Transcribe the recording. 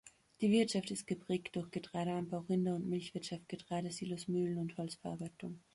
Die Wirtschaft ist geprägt durch Getreideanbau, Rinder- und Milchwirtschaft, Getreidesilos, Mühlen und Holzverarbeitung.